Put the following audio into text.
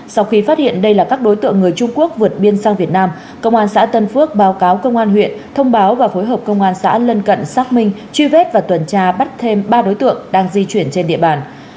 sau khi phát hiện đây là các đối tượng người trung quốc vượt biên sang việt nam công an xã tân phước báo cáo công an huyện thông báo và phối hợp công an xã lân cận xác minh truy vết và tuần tra bắt thêm ba đối tượng đang di chuyển trên địa bàn